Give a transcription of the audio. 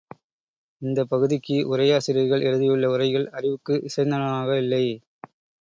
இந்தப் பகுதிக்கு உரை ஆசிரியர்கள் எழுதியுள்ள உரைகள் அறிவுக்கு இசைந்தனவாக இல்லை.